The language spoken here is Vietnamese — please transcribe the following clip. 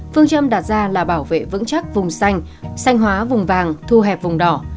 phương châm đạt ra là bảo vệ vững chắc vùng xanh xanh hóa vùng vàng thu hẹp vùng đỏ